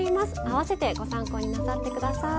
併せてご参考になさってください。